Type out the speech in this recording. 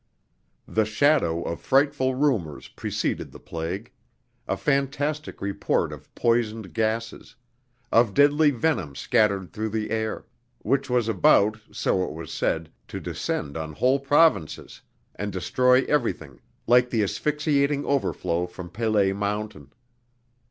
The shadow of frightful rumors preceded the plague; a fantastic report of poisoned gases, of deadly venom scattered through the air, which was about, so it was said, to descend on whole provinces and destroy everything like the asphyxiating overflow from Pelée Mountain.